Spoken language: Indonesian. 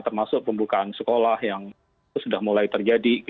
termasuk pembukaan sekolah yang sudah mulai terjadi